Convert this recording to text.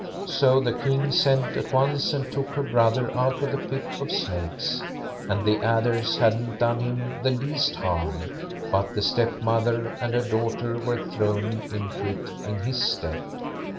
So the King sent at once and took her brother out of the pit of snakes, and the adders hadn't done him the least harm, but the stepmother and her daughter were thrown into it in his stead.